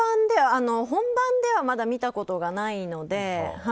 本番ではまだ見たことがないので。